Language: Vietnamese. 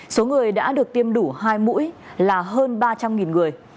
số người đã được tiêm đủ hai mũi là hơn ba trăm linh người